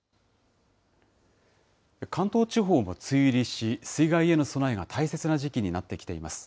関東地方も梅雨入りし、水害への備えが大切な時期になってきています。